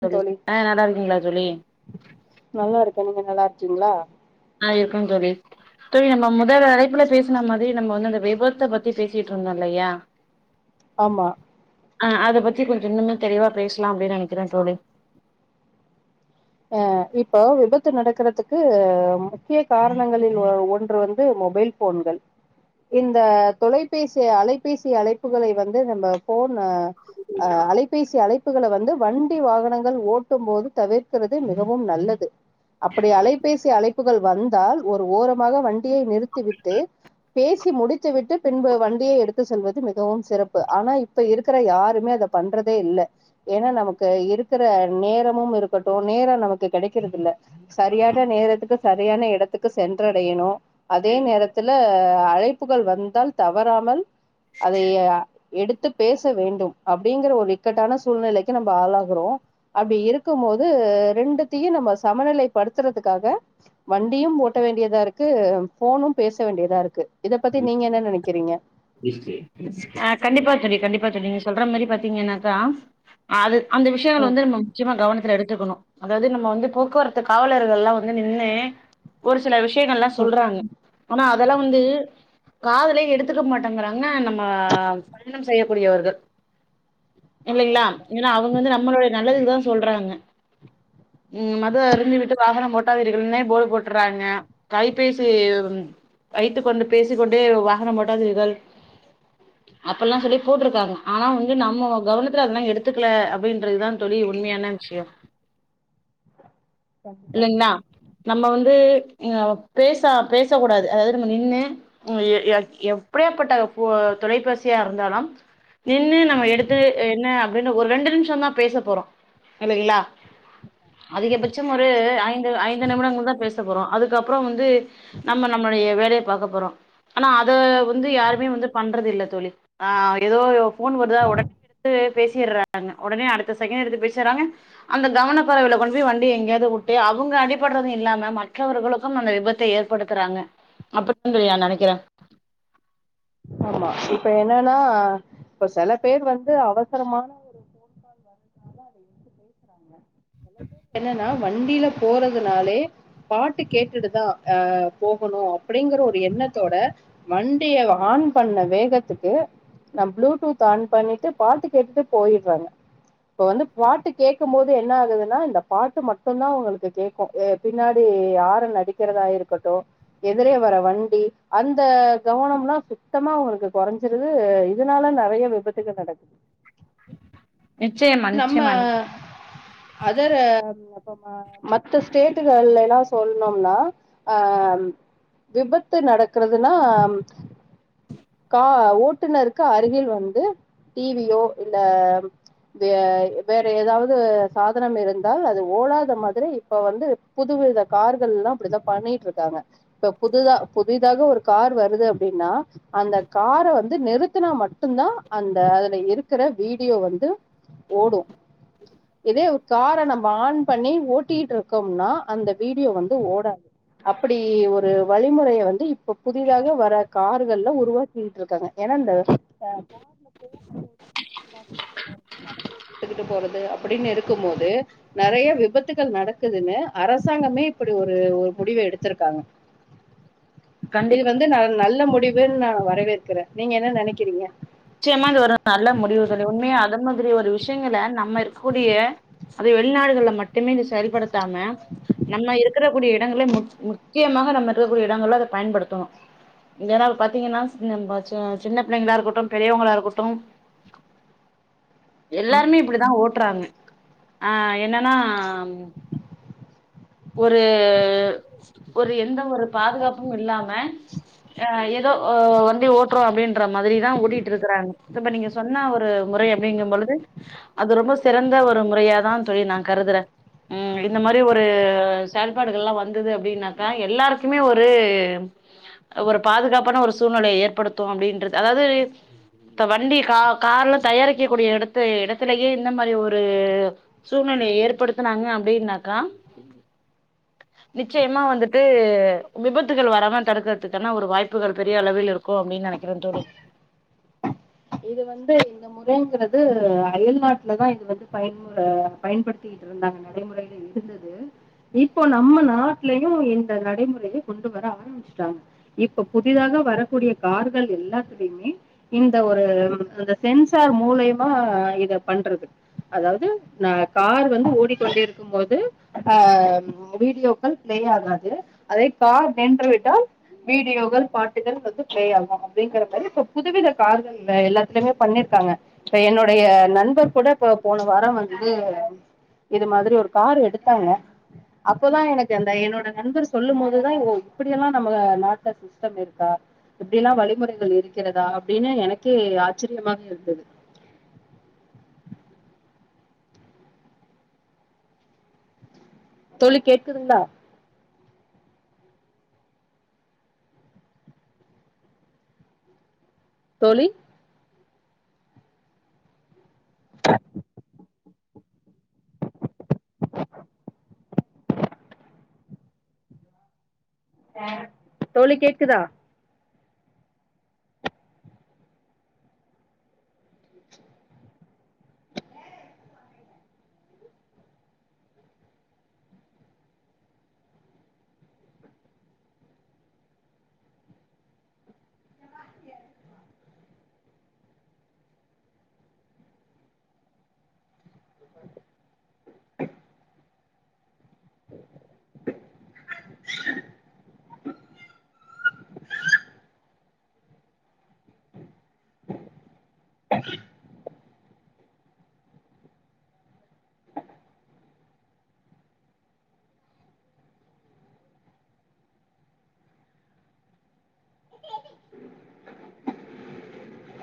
தோழி ஆ நல்லா இருக்கீங்களா தோழி நல்லா இருக்க நீங்க நல்லா இருக்கீங்ளா ஆ இருக்க தோழி தோழி நம்ம முதல் அழைப்புல பேசின மாதி நம்ம வந்து அந்த விபத்த பத்தி பேசிட்டு இருந்தோ இல்லையா ஆமா ஆ அத பத்தி கொஞ்சோ இன்னுமே தெளிவா பேசலா அப்டின்னு நெனைக்கிற தோழி அ இப்ப விபத்து நடக்குறதுக்கு முக்கிய காரணங்களில் ஒ ஒன்று வந்து மொபைல் ஃபோன்கள் இந்த தொலைபேசி அலைபேசி அழைப்புகளை வந்து நம்ம ஃபோன் அ அலைபேசி அழைப்புகள வந்து வண்டி வாகனங்கள் ஓட்டும் போது தவிர் ர்க்கிறது மிகவும் நல்லது அப்படி அலைபேசி அழைப்புகள் வந்தால் ஒரு ஓரமாக வண்டியை நிறுத்தி விட்டு பேசி முடித்து விட்டு பின்பு வண்டியை எடுத்து செல்வது மிகவும் சிறப்பு ஆனா இப் இப்ப இருக்கிற யாருமே அத பண்றதே இல்ல ஏன்னா நமக்கு இருக்கிற நேரமும் இரு க்கட்டும் நேரம் நமக்கு கிடைக்கறது இல்ல சரியான நேரத்துக்கு சரியான இடத்துக்கு சென்றடையணும் அதே நேரத்துல அழைப்புகள் வந்தால் தவறாமல் அதைய எடுத்து பேச வேண்டும் அப்படிங்கிற ஒரு இக்கட்டான சூழ்நிலைக்கு நம்ம ஆளாகறோம் அப்படி இருக்கு இருக்கும் போது ரெண்டுத்துயும் நம்ம சமநிலை படுத்துறதுக்காக வண்டியும் ஓட்ட வேண்டியதா இருக்கு ஃபோனும் பேச வேண்டியதா இருக்கு இத பத்தி நீங்க என்ன நினைக்கிறீங்க ஆ கண்டிப்பா தோழி கண்டிப்பா தோழி நீங்க சொல்ற மாறி பாத்தீங்கன்னாக்கா அது அந்த விஷயங்கள் ம் வந்து நம்ம முக்கியமாக கவனத்துல எடுத்துக்கணும் அதாவது நம்ம வந்து போக்குவரத்து காவலர்கள் எல்லாம் வந்து நின்னு ஒரு சில விஷயங்கள்ல்லாம் ம் சொல்றாங்க ஆனா அதெல்லாம் வந்து காதலயே எடுத்து இருக்க மாட்டேங்கிறாங்க நம்ம பயணம் செய்யக்கூடியவர்கள் இல்லலைங்களா கண்டிப்பா ஆனா அவங்க வந்து நம்மளுோடைய நல்லதுக்குதான் சொல்றாங்க ம் மது அருந்தி விட்டு வாகனம் ஓட்டாதீர்கள்னே போடு போட்டுறாங்க கைபேசி வைத்துக்கொண்டு பேசிக்க கொண்டே வாகனம் ஓட்டாதீர்கள் அப்பெ எல்லா சொல்லி போட்டிருக்காங்க ஆனா வந்து நம்ம கவனத்துல அதெல்லா எடுத்துக்கல அப்டின்றதுதா தோழி உண்மையான சியோம் கண்டிப்பா இல்லீங்களா நம்ம வந்து பேசா பேச கூடாது அதாவது நம்ம நின்னு அ எப் எப்டியாப்பட்ட தொலைபேசியா இருந்தாலும் நின்னு நம்ம எடுத்து என்ன அப்டின்னு ஒரு ரெண்டு நிமிஷம் தா பேச போறோம் இல்லைங்களா அதிகபட்சம் ஒரு ஒரு ஐந்து நிமிடங்கள் தா பேச போறோ அதுக்கப்புற வந்து நம்ம நம்மளுடைய வேலைய பாக்க போறோம் ஆனா அத வந்து யாருமே வந்து பண்றது இல்ல தோழி ஆ ஏதோ ஃபோன் வருதா உடனே எடுத்து பேசிடுறாங்க உடனே அடுத்த செகண்ட் எடுத்து பேசுறாங்க அந்த கவன கொறவுல கொண்டு் வண்டி எங்கேயாவது விட்டு அவங்க அடிபடுறது இல்லாம மற்றவர்களுக்கு அந்த விபத்த ஏற்படுத்த இருக்கறாங்க அப்டின்தான் நா நினைக்கிறே ஆமா இப்ப என்னன்னா இப்ப சில பேர் வந்து அவசரமான என்னன்னா வண்டியில போறதுனாலே பாட்டு கேட்டுட்டுதா அ போகணு அப்டிங்குற ஒரு எண்ணத்தோட வண்டிய ஆன் பண்ண வேகத்துக்கு நா ப்ளூடூத் ஆன் பண்ணிட்டு பாட்டு கேட்டுட்டு போயிடுறாங்க இப்ப வந்து பாட்டு கேட்க்கும் போது ஆகுது இந்த பாட்டு மட்டு தா அவங்களுக்கு கேட்க்கும் பின்னாடி ஹாரன் அடிக்கிறதா இருக்கட்டும் எதிரே வர வண்டி அந்த கவனம்ல்லா சுத்தமா அவங்களுக்கு குறைஞ்ச இதனால நிறைய விபத்துகள் நடக்குது ஹ நம்ம அதர் அப்பறமா மத்த ஸ்டேட்டுகள் எல்லா சொல்லணும்னா அ விபத்து நடக்கறதுன்னா கா ஓட்டுநருக்கு அருகில் வந்து டிவியோ இல்ல வே வேற ஏதாவது சாதனம் இருந்தால் அது ஓடாத மாதிரி இப்ப வந்து புதுவித கார்கள்லா அப்டித்தா பண்ணிட்டு இருக்காங்க இப்ப புதுதா புதிதாக ஒரு கார் வருது அப்டின்னா அந்த கார வந்து நிறுத்தனா மட்டு தா அந்த அதுல இருக்கிற வீடியோ வந்து ஓடு இதே ஒரு கார நம்ம ஆன் பண்ணி ஓட்டிட்டு இருக்கோம்னா அந்த வீடியோ வந்து ஓடா அப்டி ஒரு வழிமுறைய வந்து இப்ப புதிதாக வர கார்கள்ல உருவாக்கிட்டுருக்காங்க ஏன்னா [unintelligible] எடுத்துட்டு போறது அப்டின்னு இருக் கும் போது நெறைய விபத்துக்கள் நடக்குதுன்னு அரசாங்கமே இப்டி ஒரு முடிவு எடுத்துருக்காங்க இது கண்டிப்பா வந்து ந நல்ல முடிவுன் நா வரவேற்குற நீங்க என்ன நெனைக்கிறீங்க நிச்சயமா இது ஒரு நல்ல முடிவு தோழி உண்மைய அதன் மாரி ஒரு விஷயங்கல நம்ம இருக்கூடிய அது வெளிநாடுகள்ல மட்டுமே இ செயல்படுத்தாம நம்ம இருக்குற கூடிய இடங்கள மு முக்கியமா நம்ம இருக்கக்கூடிய இடங்கள அத பயன்படுத்தணு [unintelligible] பாத்தீங்கன்னா சின்ன நம் ஆ சின் சின்ன பிள்ளைங்களா இருக்கட்டு பெரியவங்களா இருக்கட்டு எல்லாருமே இப்டிதா ஓட்றாங்க ஆ என்னென்னா [inaudible] ஒரு ஒரு எந்த ஒரு பாதுகாப்பு இல்லாம ஆ ஏதோ வண்டி ஓட்டுறோ அப்படின்ற மாதிரிதா ஓட்டிட்டு இருக்கறாங்க இப்ப நீங்க சொன்னா ஒரு முறை அப்டிங்கும்பொழுது அது ரொம்ப சிறந்த ஒரு முறையாதா தோழி நா கருதுறே ம் இந்த மாதிரி ஒரு செயல்பாடுகள்லா வந்தது அப்டின்னாக்கா எல்லாருக்குமே ஒரு ஒரு பாதுகாப்பான ஒரு சூழ்நிலைய ஏற்படுத்து அப்டின்ற அதாது இப்ப வண்டி கா கார்ல தயாரிக்க கூடிய இடத்து இடத்துலயே இந்த மாரி ஒரு சூழ்நெலய ஏற்படுத்தனாங்க அப்டின்னாக்கா நிச்சயமா வந்துட்டு விபத்துகள் வராம தடுக்கறதுக்கான ஒரு வாய்ப்புகள் பெரிய அளவில் இருக் கு அப்டின் நெனைக்கிற தோழி இது வந்து இந்த முறைங்கிறது அயல் நாட்டுல தா இது வந்து பயமு பயன்படுத்தி ட்ருந்தாங்க நடைமுறையில இருந்தது இப்போ நம்ம நாட்டுலயு இந்த நடைமுறைய கொண்டு வர ஆ ரம்பிச்டாங்க இப்ப புதிதாக வரக்கூடிய கார்கள் எல்லாத்துலயுமே இந்த ஒரு அந்த சென்சார் மூலயமா இத பண்றது அதாவது நா கார் வந்து ஓடிக்கொண்டே இருக்கு ம் போது ஆ வீடியோக்கள் பிளே ஆகாது அதே கார் நின்றுவிட்டால் வீடியோக்கள் பாட்டுகள் வந்து பிளே ஆகு அப்டிங்கற மாரி இப்ப புதுவித கார்கள் இந்த எல்லாத்துலயுமே பண்ணிருக்காங்க இப்ப என்னுடைய நண்பர் கூட இப்ப போன வாரம் வந்து இது மாதிரி ஒரு காரு எடுத்தாங்க அப்போதா எனக்கு அந்த என்னோட நண்பர் சொல்லு போதுதா ஓ இப்படியெல்லா நம்ம நாட்ட சிஸ்டெம் இருக்கா இப்டிலா வழிமுறைகள் இருக்கிறதா அப்டின்னு எனக்கே ஆசரியமாக இருந்தது தோழி கேக்கதுங்களா தோழி ஆ [inaudible] தோழி கேக்குதா [inaudible] [inaudible] [inaudible] [unintelligible]